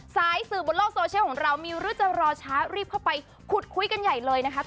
สายสื่อบนโลกโซเชียลของเรามีหรือจะรอช้ารีบเข้าไปขุดคุยกันใหญ่เลยนะคะ